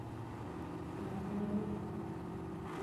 Masahiro Chono